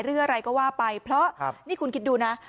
หรืออะไรก็ว่าไปเพราะนี่คุณคิดดูนะ